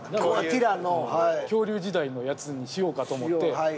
恐竜時代のやつにしようかと思って。